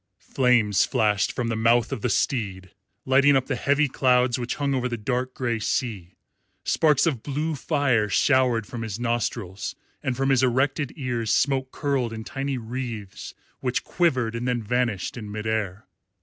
Flames flashed from the mouth of the steed, lighting up the heavy clouds which hung over the dark grey sea, sparks of blue fire showered from his nostrils, and from his erected ears smoke curled in tiny wreaths which quivered and then vanished in mid air.